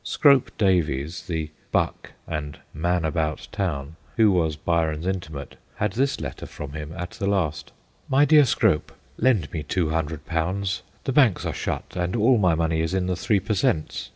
Scrope Davies, the buck and ' man about town/ who was Byron's intimate, had this letter from him at the last. ' My dear Scrope, lend me two hundred pounds ; the banks are shut, and all my money is in the three per cents.